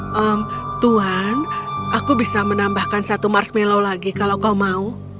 hmm tuhan aku bisa menambahkan satu marshmallow lagi kalau kau mau